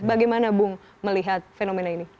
bagaimana bung melihat fenomena ini